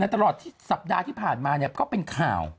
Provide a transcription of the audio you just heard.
ตลอดที่สัปดาห์ที่ผ่านมาก็เป็นข่าว